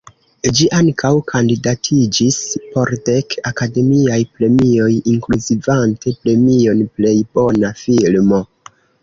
Ĝi ankaŭ kandidatiĝis por dek Akademiaj Premioj inkluzivante premion Plej Bona Filmo.